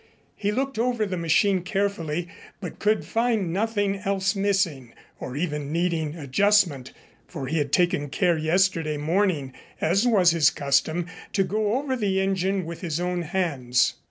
He looked over the machine carefully, but could find nothing else missing, or even needing adjustment, for he had taken care yesterday morning, as was his custom, to go over the engine with his own hands.